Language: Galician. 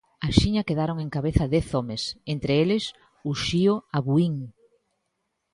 Axiña quedaron en cabeza dez homes, entre eles Uxío Abuín.